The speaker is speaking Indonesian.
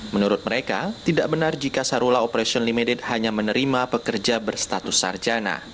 menurut mereka tidak benar jika sarula operation limited hanya menerima pekerja berstatus sarjana